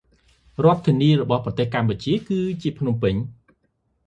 រដ្ឋធានីរបស់ប្រទេសកម្ពុជាគឺជាភ្នំពេញ ។